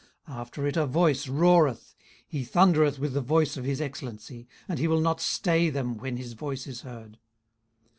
18:037:004 After it a voice roareth: he thundereth with the voice of his excellency; and he will not stay them when his voice is heard.